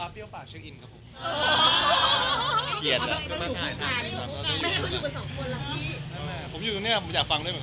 พี่เต๋อไม่อยู่ทำไมครับแม่